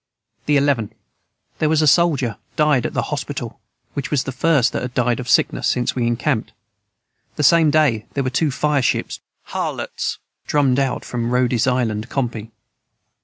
the 11. Their was a soldier died at the hospittle which was the first that had died of Sickness since we incampt the same day their was two fire Ships drumed out of the rhodisland compy.